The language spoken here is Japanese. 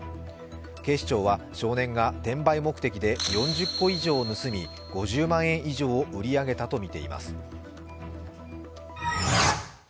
警視庁は少年が転売目的で４０個以上盗み５０万円以上を売り上げたとみています。